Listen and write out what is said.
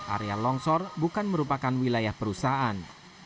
area longsor bukan merupakan wilayah perusahaan